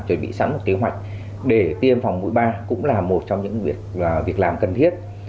chuẩn bị sẵn một kế hoạch để tiêm phòng mũi ba cũng là một trong những việc làm cần thiết